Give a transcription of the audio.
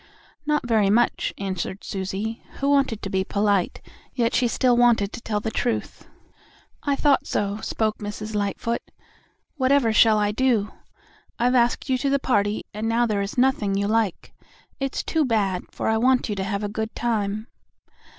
"Not very much," answered Susie, who wanted to be polite, yet she still wanted to tell the truth. "I thought so," spoke Mrs. Lightfoot. "Whatever shall I do? I've asked you to the party and now there is nothing you like. It's too bad, for I want you to have a good time!"